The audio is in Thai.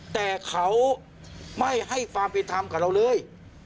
แต่เขาไม่ให้ความเป็นธรรมกับเราเลย